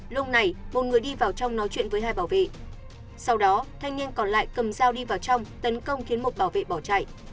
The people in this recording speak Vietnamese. lúc này một người đi vào trong nói chuyện với hai bảo vệ sau đó thanh niên còn lại cầm dao đi vào trong tấn công khiến một bảo vệ bỏ chạy